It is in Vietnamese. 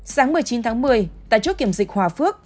sáng một mươi chín tháng một mươi tại chốt kiểm dịch hòa phước